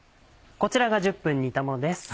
こちらが１０分煮たものです。